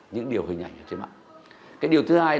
những điều hình ảnh ở trên mạng cái điều thứ hai